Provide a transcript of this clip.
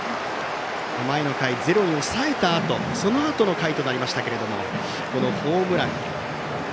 前の回、ゼロに抑えたあとそのあとの回となりましたけどもこのホームラン。